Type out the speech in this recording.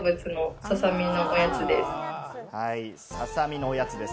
ささみのおやつです。